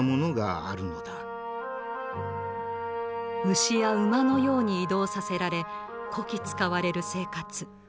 牛や馬のように移動させられこき使われる生活。